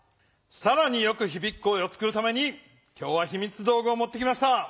さらによくひびく声を作るために今日はひみつどうぐをもってきました。